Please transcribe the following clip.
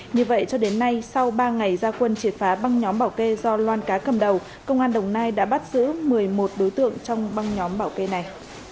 như vậy cho đến nay sau ba ngày gia quân triệt phá băng nhóm bảo kê do loan cá cầm đầu công an đồng nai đã bắt giữ một mươi một đối tượng trong băng nhóm bảo kê này